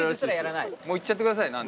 もういっちゃってください。